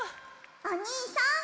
おにいさん！